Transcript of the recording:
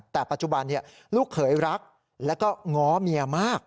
แต่ปัจจุบันลูกเขยรักแล้วก็ง้อเมียมาก